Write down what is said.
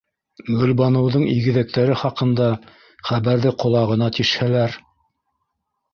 Гөлбаныуҙың игеҙәктәре хаҡында хәбәрҙе ҡолағына тишһәләр?..